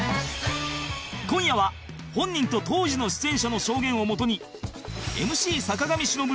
今夜は本人と当時の出演者の証言をもとに